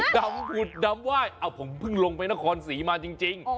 ดำผุดดำไหว้ผมเพิ่งลงไปนครศรีมาจริง